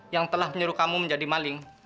yang telah menyuruh kamu menjadi maling